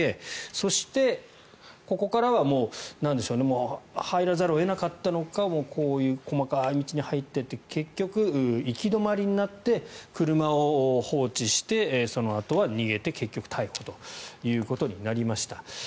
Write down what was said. そして、ここからはもう入らざるを得なかったのかこういう細かい道に入っていって結局、行き止まりになって車を放置してそのあとは逃げて、結局逮捕ということになりました。